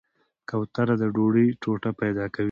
کوتره د ډوډۍ ټوټه پیدا کوي.